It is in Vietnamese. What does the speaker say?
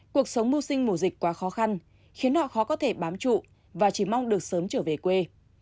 cuộc sống mưu sinh mùa dịch quá khó khăn khiến họ khó có thể bám trụ và chỉ mong được sớm trở về quê